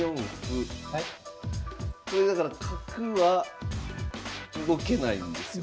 これだから角は動けないんですよね。